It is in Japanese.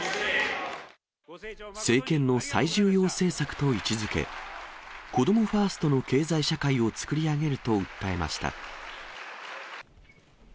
政権の最重要政策と位置づけ、子どもファーストの経済社会を作り上げると訴えました。